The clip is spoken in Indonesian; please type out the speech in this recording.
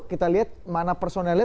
kita lihat mana personelnya